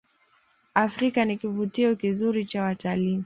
afrika ni kivutio kizuri cha wataliii